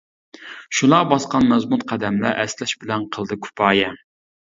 شۇلار باسقان مەزمۇت قەدەملەر، ئەسلەش بىلەن قىلدى كۇپايە.